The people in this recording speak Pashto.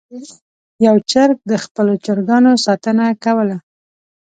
یو چرګ د خپلو چرګانو ساتنه کوله.